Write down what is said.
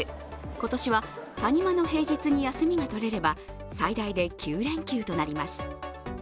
今年は谷間の平日に休みが取れれば、最大で９連休となります。